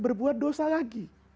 berbuat dosa lagi